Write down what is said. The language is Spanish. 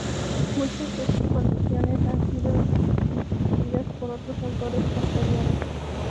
Muchas de estas condiciones han sido discutidas por otros autores posteriores.